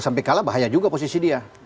sampai kalah bahaya juga posisi dia